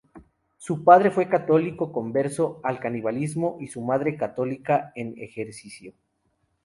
Su padre fue católico, converso al calvinismo, y su madre era católica en ejercicio.